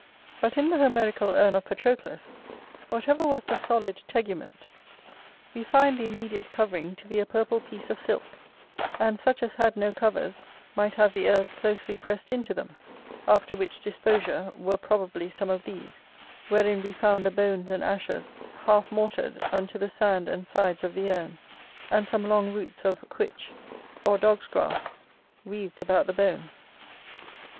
But in the Homerical urn of Patroclus, whatever was the solid tegument, we find the immediate covering to be a purple piece of silk: and such as had no covers might have the earth closely pressed into them, after which disposure were probably some of these, wherein we found the bones and ashes half mortared unto the sand and sides of the urn, and some long roots of quich, or dog's grass, wreathed about the bones.